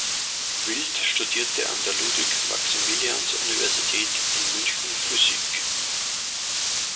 Wild studierte an der Ludwig-Maximilians-Universität in München Physik.